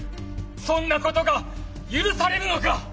そんなことが許されるのか！